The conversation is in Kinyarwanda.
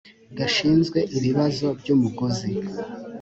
gashinzwe ibibazo by umuguzi